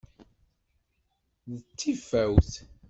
D tifawt.